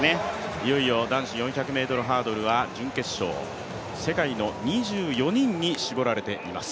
いよいよ男子４００ｍハードルは準決勝、世界の２４人に絞られています。